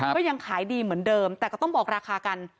ก็ยังขายดีเหมือนเดิมแต่ก็ต้องบอกราคากัน